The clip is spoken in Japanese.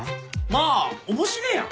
まあ面白えやん！